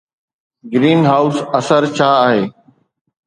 Green house اثر ڇا آهي؟